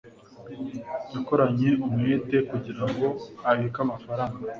yakoranye umwete kugirango abike amafaranga